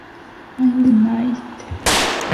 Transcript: In the night...".